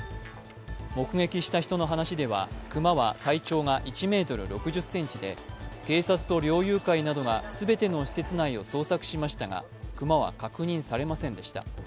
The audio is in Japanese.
目撃した人の話では熊は体長が１ｍ６０ｃｍで警察と猟友会などが全ての施設内を捜索しましたが熊は確認されませんでした。